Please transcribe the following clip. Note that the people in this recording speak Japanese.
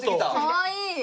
かわいい！